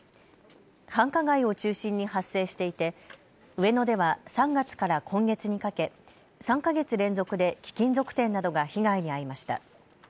繁華街を中心に発生していて上野では３月から今月にかけ３か月連続で貴金属店などが被害に遭いました。